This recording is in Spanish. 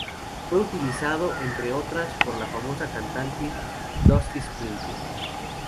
Fue utilizado, entre otras, por la famosa cantante Dusty Springfield.